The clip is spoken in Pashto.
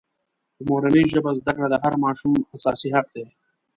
په مورنۍ ژبه زدکړې د هر ماشوم اساسي حق دی.